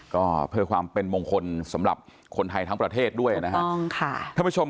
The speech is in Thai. ก็เพื่อความเป็นมงคลสำหรับคนไทยทั้งประเทศด้วยนะครับ